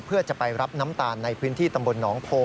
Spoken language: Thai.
เพื่อจะไปรับน้ำตาลในพื้นที่ตำบลหนองโพ